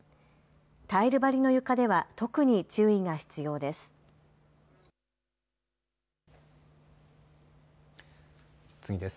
タイル張りの床では特に注意が必要です。